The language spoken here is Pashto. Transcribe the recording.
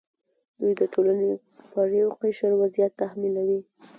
دوی د ټولنې پر یو قشر وضعیت تحمیلوي.